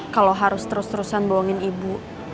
kalau harus terus terusan bohongin ibu